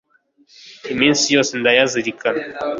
iminsi yose ndayazirikana